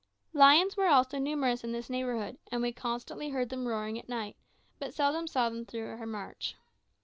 Lions were also numerous in this neighbourhood, and we constantly heard them roaring at night, but seldom saw them during our march.